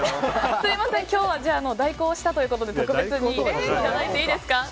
すみません、今日は代行したということで特別にいただいていいですか。